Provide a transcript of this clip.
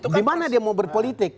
gimana dia mau berpolitik